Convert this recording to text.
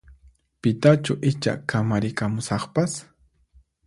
Pitachu icha kamarikamusaqpas?